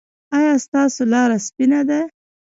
ایا ستاسو لاره سپینه ده؟